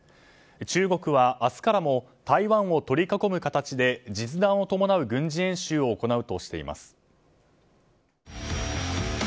中国は明日からも台湾を取り囲む形で実弾を伴う軍事演習を行うとしています。